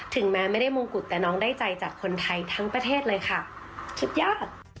แม้ไม่ได้มงกุฎแต่น้องได้ใจจากคนไทยทั้งประเทศเลยค่ะคิดยาก